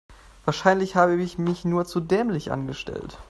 Wahrscheinlich habe ich mich nur zu dämlich angestellt.